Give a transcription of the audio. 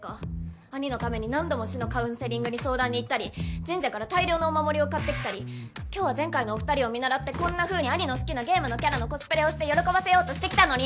義兄のために何度も市のカウンセリングに相談に行ったり神社から大量のお守りを買ってきたり今日は前回のお二人を見習ってこんなふうに義兄の好きなゲームのキャラのコスプレをして喜ばせようとしてきたのに！